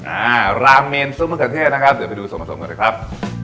ราเมนซุปมะเขือเทศนะครับเดี๋ยวไปดูส่วนผสมกันเลยครับ